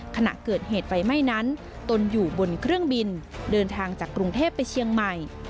ขณะเกิดเหตุไฟไหม้นั้นตนอยู่บนเครื่องบินเดินทางจากกรุงเทพไปเชียงใหม่